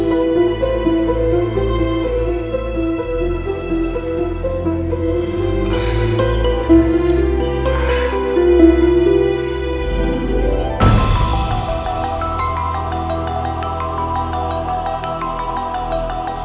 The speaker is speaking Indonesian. bawa ke penjara